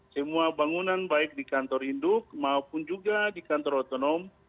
semua bangunan baik di kantor induk maupun juga di kantor otonom